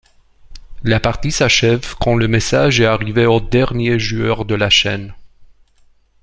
La partie s'achève quand le message est arrivé au dernier joueur de la chaîne.